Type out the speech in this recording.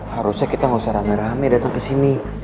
harusnya kita gak usah rame rame datang kesini